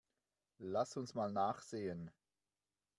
Lass uns mal nachsehen.